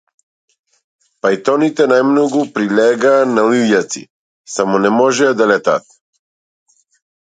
Пајтоните најмногу прилегаа на лилјаци, само не можеа да летаат.